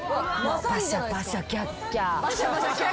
パシャパシャキャッキャ。